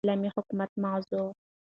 داسلامي حكومت موضوع